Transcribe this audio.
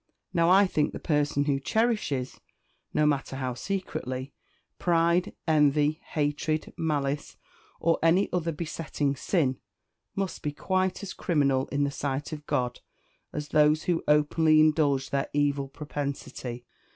Now I think the person who cherishes no matter how secretly pride, envy, hatred, malice, or any other besetting sin, must be quite as criminal in the sight of God as those who openly indulge their evil propensity."